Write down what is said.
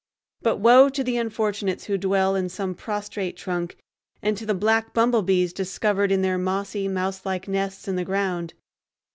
But woe to the unfortunates who dwell in some prostrate trunk, and to the black bumblebees discovered in their mossy, mouselike nests in the ground.